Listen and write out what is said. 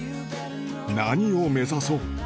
何を目指そう。